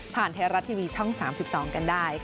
ผ่านแทรรัสทีวีช่อง๓๒กันได้